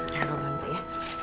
ya roh bantu ya